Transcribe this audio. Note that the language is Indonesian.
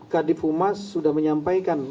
kadif umas sudah menyampaikan